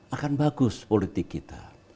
akan bagus politik kita